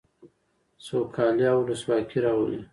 سوکالي او ولسواکي راولي.